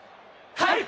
はい。